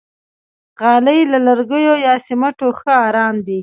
غالۍ له لرګیو یا سمنټو ښه آرام دي.